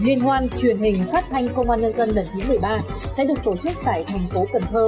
liên hoan truyền hình phát thanh công an nhân dân lần thứ một mươi ba sẽ được tổ chức tại thành phố cần thơ